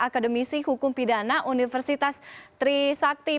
akademisi hukum pidana universitas tri sakti